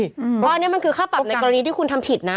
เพราะอันนี้มันคือค่าปรับในกรณีที่คุณทำผิดนะ